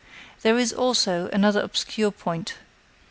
There is, also, another obscure point.